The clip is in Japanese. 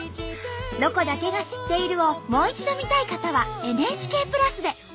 「ロコだけが知っている」をもう一度見たい方はＮＨＫプラスで。